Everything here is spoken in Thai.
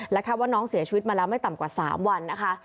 คาดว่าน้องเสียชีวิตมาแล้วไม่ต่ำกว่า๓วันนะคะ